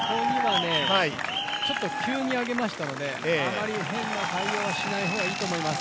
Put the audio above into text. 急に上げましたので、あまり変な対応はしない方がいいと思います。